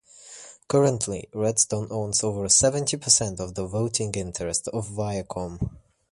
Currently, Redstone owns over seventy percent of the voting interest of Viacom.